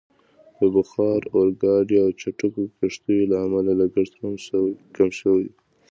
د بخار اورګاډي او چټکو کښتیو له امله لګښت کم شوی وو.